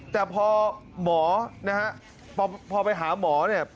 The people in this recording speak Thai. แต่พอหมอนะฮะพอไปหาหมอเนี่ย